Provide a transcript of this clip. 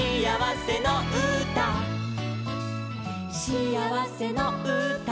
「しあわせのうた」